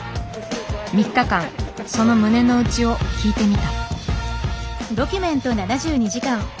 ３日間その胸の内を聞いてみた。